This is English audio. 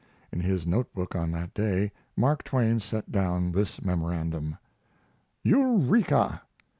In his notebook on that day Mark Twain set down this memorandum: EUREKA!